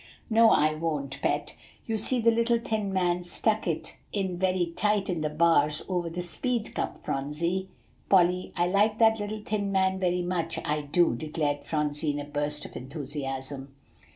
"No, I won't, Pet. You see, the little thin man stuck it in very tight in the bars over the seed cup, Phronsie." "Polly, I like that little thin man very much, I do," declared Phronsie in a burst of enthusiasm.